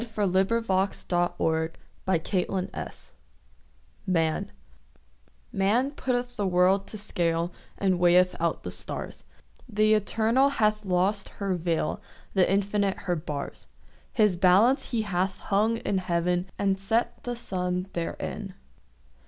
PÆANS MAN Man putteth the world to scale And weigheth out the stars; Th' eternal hath lost her veil, The infinite her bars; His balance he hath hung in heaven And set the sun therein.